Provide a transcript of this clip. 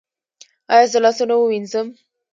ایا زه لاسونه ووینځم؟